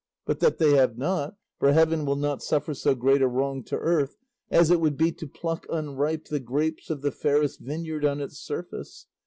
But that they have not, for Heaven will not suffer so great a wrong to Earth, as it would be to pluck unripe the grapes of the fairest vineyard on its surface.